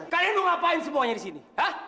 kalian mau ngapain semuanya di sini